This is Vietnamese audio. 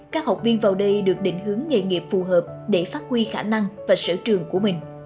các học viên vào đây được định hướng nghề nghiệp phù hợp để phát huy khả năng và sở trường của mình